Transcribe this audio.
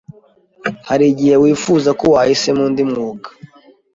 hari igihe wifuza ko wahisemo undi mwuga.